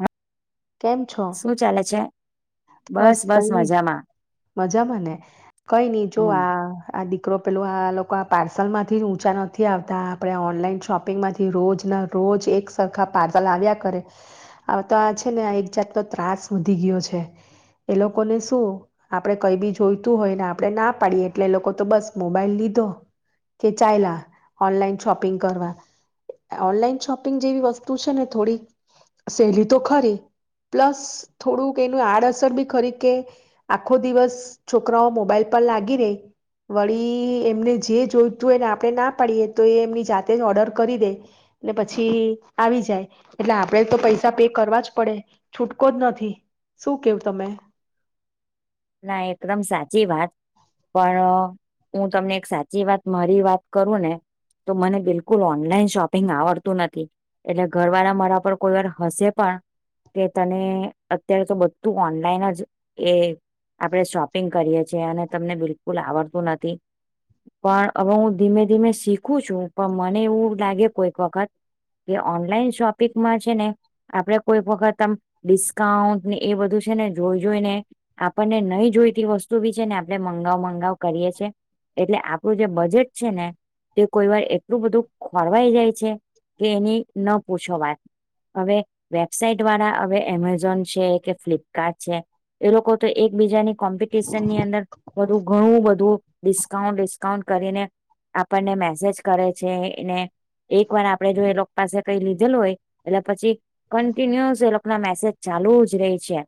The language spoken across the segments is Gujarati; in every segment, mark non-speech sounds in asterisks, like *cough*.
હા કેમ છો? શું ચાલે છે? બસ કઈ ની મજામાંને? કઈ ની જો હમ આ આ દીકરો પેલું આ આ પાર્સલમાંથી ઊંચા નથી આવતા આપણે ઓનલાઈન શોપિંગમાંથી રોજના રોજ એક સરખા પાર્સલ આવ્યા કરે, આ તો આ છે ને આ એક જાતનો ત્રાસ વધી ગીયો છે. એ લોકોને શું. આપડે કઈ બી જોઈતું હોય ને આપણે ના પાડીએ એટલે એ લોકો તો બસ મોબાઈલ લીધો કે ચાયલા ઓનલાઈન શોપિંગ કરવા. ઓનલાઈન શોપિંગ જેવી વસ્તુ છે ને થોડીક સહેલી તો ખરી પ્લસ થોડું એ આડઅસર બી ખરી કે, આખો દિવસ છોકરાઓ મોબાઈલ પર લાગી રે, વળી એમને જે જોઈતું હોયને આપણે ના પાડીએ તો એ એમની જાતે જ ઓર્ડર કરી દે ને પછી આવી જાય. એટલે આપણેે તો પૈસા પે કરવા જ પડે છૂટકો જ નથી. શું કેવ તમે? ના એકદમ સાચી વાત પણ હું તમને એક સાચી વાત મારી વાત કરું ને તો મને બિલકુલ ઓનલાઈન શોપિંગ આવડતું નથી. એટલે ઘર વાળા મારા પર કોઈ વાર હશે પણ કે તને અત્યારે તો બધું ઓનલાઈન જ એ આપણે શોપિંગ કરીએ છે. અને તમને બિલકુલ આવડતું નથી પણ અવે ઉ ધીમે ધીમે શીખું છું. પણ મને એવું લાગે કોઈક વખત કે, ઓનલાઈન શોપિંગમાં છે ને આપણે કોઈક વખત આમ ડિસ્કાઉન્ટ એ બધું છે ને જોઈ જોઈને આપણને નહી જોઈતી વસ્તુ બી છે ને આપણે મંગાવ મંગાવ કરીએ છે. એટલે આપણું જે બજેટ છે ને તે કોઈ વાર એટલું બધું ખોરવાઈ જાય છે કે, એની ન પૂછો વાત હવે વેબસાાઈટ વાળા હવે એમેઝોન છે, કે ફ્લિપકાર્ટ છે એ લોકો તો એકબીજાની કોમ્પિટિશન ની અંદર બધું ઘણું બધું ડિસ્કાઉન્ટ ડિસ્કાઉન્ટ કરીને આપણને મેસેજ કરે છે. એને એક વાર આપડે જો એ લોકો પાસે કઈ લીધેલું હોય એટલે પછી કન્ટિન્યુઅસ એ લોકો ના મેસેજ ચાલુ જ રે છે.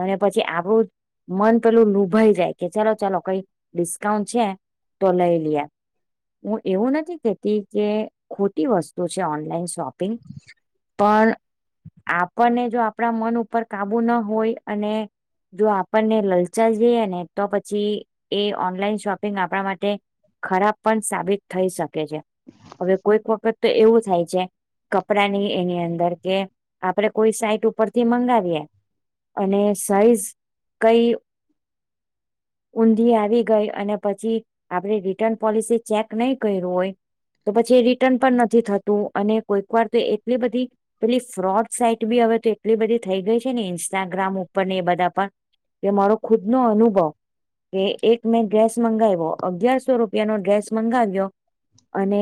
અને પછી આપણું મન પેલું લુભાઈ જાય કે ચાલો ચાલો કઈ ડિસ્કાઉન્ટ છે તો લઈ લીએ. હું એવું નથી કેતી કે ખોટી વસ્તુ છે ઓનલાઈન શોપિંગ, પણ આપણને જો આપણા મન ઉપર કાબુ ના હોય અને જો આપણને લલચાઇ જઇએ ને તો પછી એ ઓનલાઈન શોપિંગ આપણા માટે ખરાબ પણ સાબિત થઈ શક કે છે. હવે કોઈક વખત તો એવું થાય કે કપડાની એની અંદર કે આપડે કોઈ સાઈટ ઉપરથી મંગાવીએ અને સાઈઝ કઈ ઊંધી આવી ગઈ અને પછી આપણે રિટર્ન પોલિસી ચેક નહી કર્યું હોય, તો પછી એ રિટર્ન પણ નથી થતું. અને કોઈક વાર તો એટલી બધી પેલી ફ્રોડ સાઈટ બી હવે તો એટલી બધી થઈ ગઈ છે ને ઇન્સ્ટાગ્રામ ઉપર ને એ બધા પણ એ મારો ખુદનો અનુભવ કે એક મેં ડ્રેસ મંગાયવો, અગિયારસો રૂપિયાનો ડ્રેસ મંગાવ્યો અને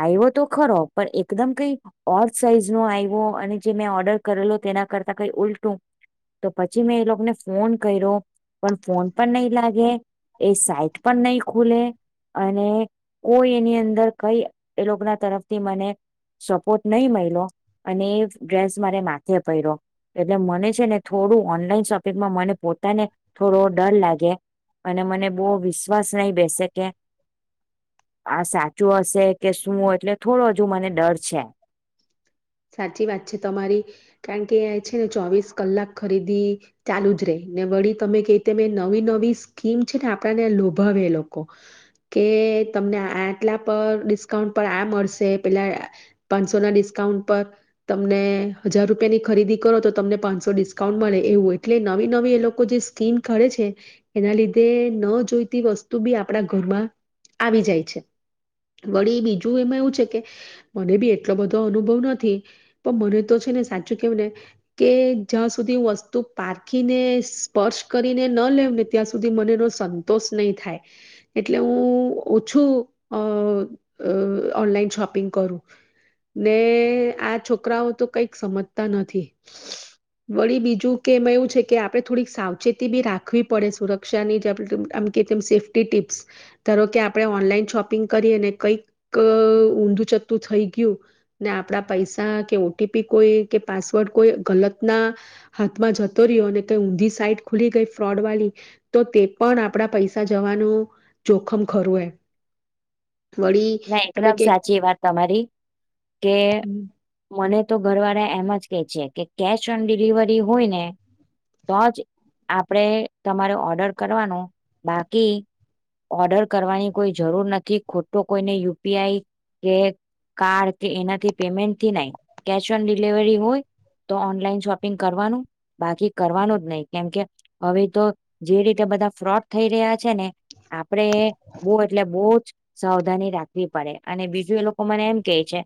આયવો તો ખરો પણ એકદમ કઈ ઓડ સાઈઝ નો આવ્યો અને જે મેં ઓર્ડર કરેલો તેના કરતા કઈ ઉલટું તો પછી મેં એ લોકોને ફોન કર્યો પણ ફોન પણ નહી લાગે, એ સાઈટ પણ નહી ખુલે અને કોઈ એની અંદર કઈ એ લોકો ના તરફથી મને સપોર્ટ નહી મયલો. અને એ ડ્રેસ મારે માથે પયરો એટલે મને છે ને થોડું ઓનલાઈન શો માં મને પોતાને થોડો ડર લાગે અને મને બો વિશ્વાસ નહિ બેસે કે આ સાચું હશે કે શું? એટલે થોડો હજુ મને ડર છે. સાચી વાત છે તમારી કારણ કે, છે ને ચોવીસ કલાક ખરીદી ચાલુ જ રેય, ને વળી તમે કેય તેમ નવી નવી સ્કીમ છે ને આપણને લોભાવે એ લોકો કે તમને આટલા પર ડિસ્કાઉન્ટ પર આ મળશે પેલા પાંચસો ના ડિસ્કાઉન્ટ પર તમને હજાર રૂપિયાની ખરીદી કરો તો તમને પાંચસો ડિસ્કાઉન્ટ મળે. એવું એટલે નવી નવી એ લોકો જે સ્કીમ કારે છે એના લીધે ન જોઈતી વસ્તુ બી આપડા ઘરમાં આવી જાય છે. વળી બીજું એમાં એવું છે કે મને બી એટલો બધો અનુભવ ન પણ મને તો છે ને સાચું કેવ ને કે જ્યાં સુધી વસ્તુ પારખીને સ્પર્શ કરીને ન લેઉને ત્યાં સુધી મનેનો સંતોષ નહી થાય. એટલે હું ઓછું અ અ ઓનલાઈન શોપિંગ કરુ ને આ છોકરાઓ તો કંઈક સમજતા નથી. વળી બીજું કે એમ એવું છે કે આપણે થોડીક સાવચેતી બી રાખવી પડે સુરક્ષાની જે આમ કે તેમ સેફ્ટી ટીપ્સ. ધારો કે આપણે ઓનલાઈન શોપિંગ કરીએ ને કંઈક ઊંધું ચતું થઈ ગયું ને આપણા પૈસા કે ઓટીપી કોઈ કે પાસવર્ડ કોઈ ગલતના હાથમાં જતો રહ્યો ને કઈ ઊંધી સાઈટ ખુલી ગઈ ફ્રોડ વાળી તો તે પણ આપણા પૈસા જવાનું જોખમ ખરું એ. વળી ના તમે એકદમ કે સાચી વાત તમારી કે કે મને તો ઘરવાળા એમ જ કે છે કે કેશ ઓન ડિલિવરી હોય ને તો જ આપણે તમારો ઓર્ડર કરવાનું બાકી ઓર્ડર કરવાની કોઈ જરૂર નથી. ખોટો કોઈને યુપીઆઈ કે કાર્ડ કે એનાથી પેમેન્ટ થી નહી કેશ ઓન ડિલિવરી હોય તો ઓનલાઈન શોપિંગ કરવાનું, બાકી કરવાનું જ નહી. કેમકે હવે તો જે રીતે બધા ફ્રોડ થઈ રહ્યા છે ને. આપડે બવ એટલે બહુ જ સાવ *unintelligible* રાખવી પડે અને બીજું એ લોકો મને એમ કે છે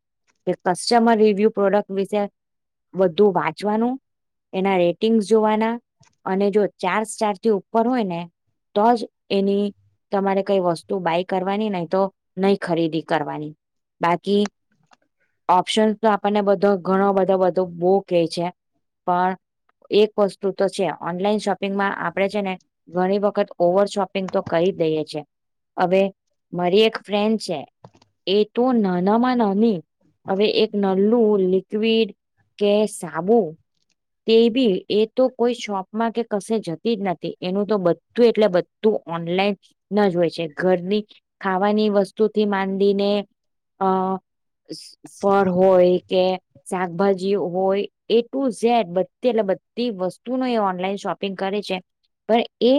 કે કસ્ટમર રિવ્યુ પ્રોડક્ટ વિશે વધુ વાંચવાનું એના રેટિંગ્સ જોવાના અને જો ચાર સ્ટાર થી ઉપર હોય ને તો જ એની તમારે કઈ વસ્તુ બાય કરવાની નહી તો નહી ખરીદી કરવાની. બાકી ઓપ્શન તો આપણને બધો ઘણો બધો બધો બહું કે છે, પણ એક વસ્તુ તો છે ઓનલાઈન શોપિંગમાં આપણે છે ને ઘણી વખત ઓવર શોપિંગ તો કરી દઈએ છે હવે મારી એક ફ્રેન્ડ છે, એ તો નાનામાં નાની હવે એક નલ્લુ લિક્વિડ કે સાબુ તે બી એ તો કોઈ શોપમાં કે કશે જતી જ નથી. એનું તો બધું એટલે બધું ઓનલાઈન જ હોય છે. ઘરની ખા વાની વસ્તુથી માંડીને અ સર હોય કે શાકભાજી હોય એ ટુ ઝેડ બધી એટલે બધી વસ્તુ ને એ ઓનલાઈન શોપિંગ કરે છે. પણ એ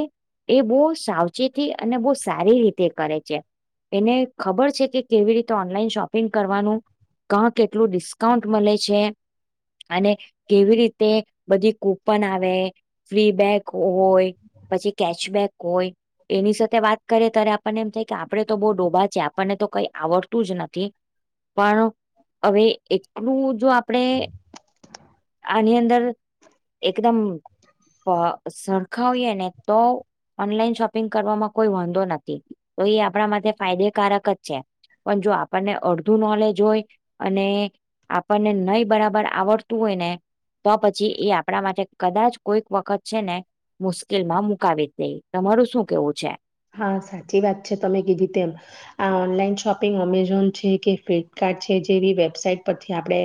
એ બહુ સાવચેતી અને બહુ સારી રીતે કરે છે. એને ખબર છે કે કેવી રીતે ઓનલાઈન શોપિંગ કરવાનું કા કેટલું ડિસ્કાઉન્ટ મળે છે અને કેવી રીતે બધી કૂપન આવે, ફ્રીબેક હોય પછી કેશબેક હોય એ વિશે *inaudible* વાત કરે તારે મને એમ થાય કે આપ આપડે તો બહુ ડોબા છે. આપણને તો કઈ આવડતું જ નથી. પણ હવે એકલું જો આપણે આની અંદર એકદમ સ સરખા હોઈએ ને તો ઓનલાઈન શોપિંગ કરવામાં કોઈ વાંધો નથી. તો એ આપણા માટે ફાયદેકારક જ છે પણ જો આપણને અડધું નોલેજ હોય અને આપણને નહી બરાબર આવડ તું હોય ને તો પછી એ આપણા માટે કદાચ કોઈક વખત છે ને મુશ્કેલમાં મુકાવી દે. તમારું શું કેવું છે? હા સાચી વાત છે તમે કીધી તેમ. આ ઓનલાઈન શોપિંગ અમેઝોન છે કે ફ્લિપકાર્ટ છે જેવી વેબસાઇટ પરથી આપણે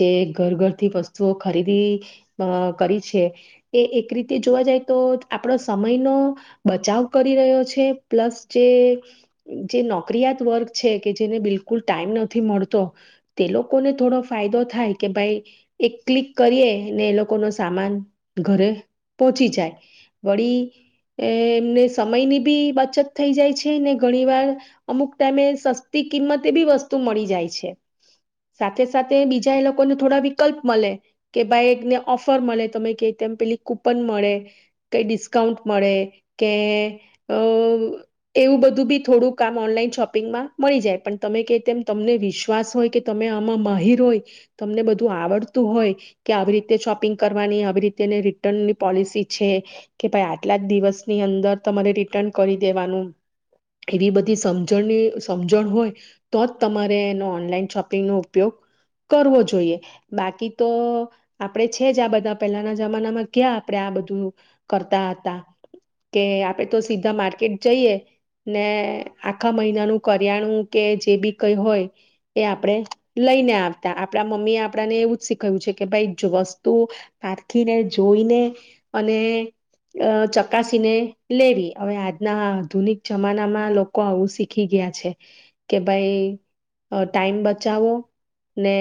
જે ઘર ઘરથી વસ્તુઓ ખરીદી અ કરી છે એ એક રીતે જોવા જાય તો આપડો સમયનો બચાવ કરી રહ્યો છે પ્લસ જે જે નોકરીયાત વર્ગ છે કે જેને બિલકુલ ટાઈમ નથી મળતો તે લોકોને થોડો ફાયદો થાય કે ભાઈ એક ક્લિક કરીએ ને એ લોકોને સામાન ઘરે પહોંચી જાય. વળી એ એમને સમયની બી બચત થઈ જાય છે ને ઘણી વાર અમુક ટાઈમે સસ્તી કિંમતે બી વસ્તુ મળી જાય છે. સાથે સાથે બીજા એ લોકોને થોડા વિકલ્પ મળે કે ભાઈને ઓફર મળે તમે ક તેમ પેલી કૂપન મળે, કઈ ડિસ્કાઉન્ટ મળે. કે અ એવું બધું બી થોડું કામ ઓનલાઈન શોપિંગમાં મળી જાય પણ તમે કે તેમ તમને વિશ્વાસ હોય કે તમે આમાં માહીર હોય તમને બધું આવડતું હોય કે આવી રીતે શોપિંગ કરવાની આવી રીતે રિટર્નની પોલિસી છે કે ભાઈ આટલા જ દિવસ ની અંદર તમારે રિટર્ન કરી દેવાનું. એવી બધી સમજણની સમજણ હોય તો જ તમારે એનો ઓનલાઈન શોપિંગનો ઉપયોગ કરવો જોઈએ. બાકી તો આપણે છે જ આ બધા પહેલાના જમાનામાં ક્યાં આપણે આ બધું કરતા હતા. કે આપણે કે સીધા માર્કેટ જઈએ ને આખા મહિનાનું કરિયાણું કે જે બી કઈ હોય એ આપણેે લઈને આવતા. આપણા મમ્મી એ આપણાને એવું જ શીખાવ્યુ છે કે ભાઈ વસ્તુ પારખીને જોઈને અને અ ચકાસીને લેવી. હવે આજના આધુનિક જમાનામાં લોકો આવું શીખી ગયા છે કે ભાઈ ટાઈમ બચાવો ને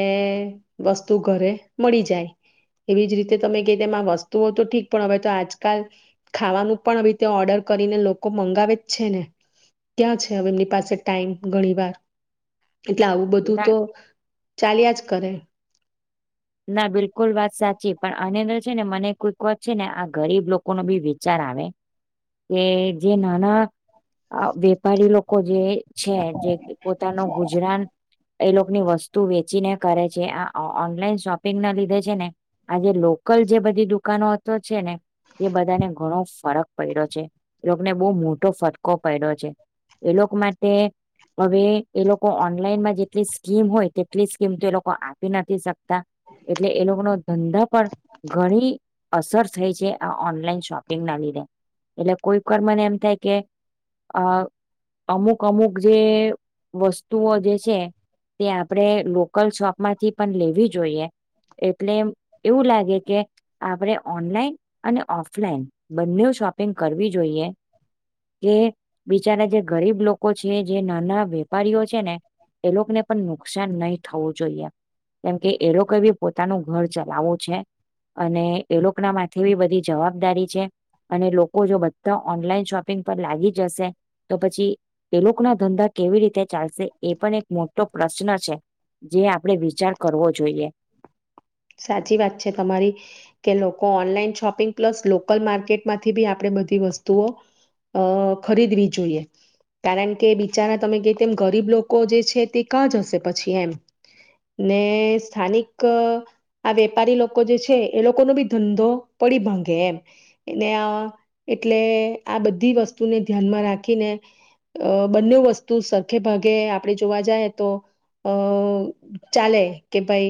વસ્તુ ઘરે મળી જાય એવી જ રીતે તમે કે તેમાં વસ્તુઓ તો ઠીક પણ હવે તો આજકાલ ખાવાનું પણ *inaudible* ઓર્ડર કરીને લોકો મંગાવે જ છે ને. ક્યાં છે હવે એમની પાસે ટાઈમ ઘણી વાર. એટલે આવું બધું ના તો ચાલીયાજ કરે. ના બિલકુલ વાત સાચી પણ આની અંદર છે ને મને કોઈક વાત છે ને આ ગરીબ લોકો નો બી વિચાર આવે કે જે નાના અ વેપારી લોકો જે છે જે પોતાનું ગુજરાન એ લોકોની વસ્તુ વેચીને કરે છે. આ આ ઓનલાઈન શોપિંગ ના લીધે છે ને આજે લોકલ જે બધી દુકાનો હતો છે ને એ બધાને ઘણો ફરક પડ્યો છે. એ લોકોને બહુ મોટો ફટકો પડ્યો છે. એ લોકો માટે હવે એ લોકો ઓનલાઈનમાં જેટલી સ્કીમ હોય તેટલી સ્કીમ તો એ લોકો આપી નથી શકતા. એટલે એ લોકોનો ધંધા પર ઘણી અસર થઈ છે. આ ઓનલાઈન શોપિંગ ના લીધે એટલે કોઈક મને એમ થાય કે અ અમુક અમુક જે વસ્તુઓ જે છે તે આપણેે લોકલ શોપમાંથી પણ લેવી જોઈએ. એટલે એમ એવું લાગે કે આપણે ઓનલાઈન અને ઓફલાઈન બંને શોપિંગ કરવી જોઈએ કે બિચારા જે ગરીબ લોકો છે જે નાના વેપારીઓ છે ને એ લોકોને પણ નુકસાન નહી થવું જોઈએ. કેમકે એ લોક ગરીબ પોતાનું ઘર ચલાવવું છે. અને એ લોકો ના માથે બી બધી જવાબદારી છે અને લોકો જો બધા ઓનલાઈન શોપિંગ પર લાગી જશે તો પછી એ લોક ક ના ધંધા કેવી રીતે ચાલશે એ પણ એક મોટો પ્રશ્ન છે જે આપણેે વિચાર કરવો જોઈએ. સાચી વાત છે તમારી કે લોકો ઓનલાઈન શોપિંગ પ્લસ લોકલ માર્કેટમાંથી બી આપણેે બધી વસ્તુઓ અ ખરીદવી જોઈએ. કારણ કે બિચારા તમે ક તેમ ગરીબ લોકો જે છે તે ક જ હશે પછી એમ ને સ્થાનિક આ વેપારી લોકો જે છે એ લોકોનો બી ધંધો પડી ભાંગે એમ ને એટલે આ બધી વસ્તુને ધ્યાનમાં રાખીને અ બંને વસ્તુ સરખે ભાગે આપણે જોવા જઈ તો અ ચાલે કે ભાઈ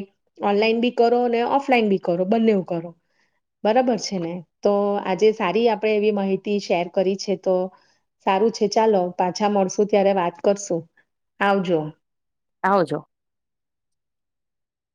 ઓનલાઈન બી કરો ને ઓફલાઈન બી કરો બંને કરો બરાબર છે ને તો આજે સારી આપણે એવી માહિતી શેર કરી છે તો સારું છે ચાલો પાછા મળશુ ત્યારે વાત કરશું. આવજો આવજો.